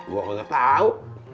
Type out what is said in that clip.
gua enggak tau